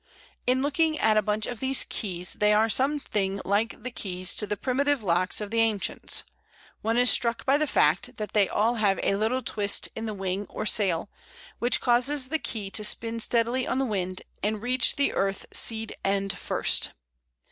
In looking at a bunch of these "keys" they are something like the keys to the primitive locks of the ancients one is struck by the fact that they all have a little twist in the wing or sail, which causes the "key" to spin steadily on the wind and reach the earth seed end first.